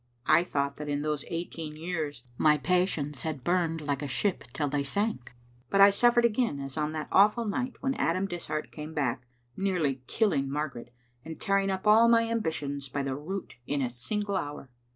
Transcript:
I thought that in those eighteen years my passions had burned like a ship till they sank, but I suffered again as on that awful night when Adam Dishart came back, nearly killing Margaret and tearing up all my ambitions by the root in a single hour.